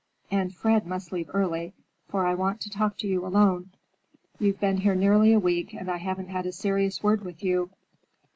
And Fred must leave early, for I want to talk to you alone. You've been here nearly a week, and I haven't had a serious word with you.